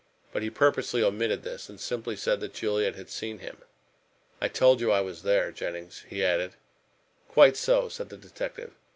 But he purposely omitted this, and simply said that Juliet had seen him. "I told you I was there, Jennings," he added. "Quite so," said the detective.